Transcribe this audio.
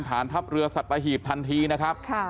ฐานทัพเรือสัตหีบทันทีนะครับ